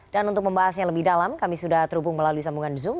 dan untuk membahasnya lebih dalam kami sudah terhubung melalui sambungan zoom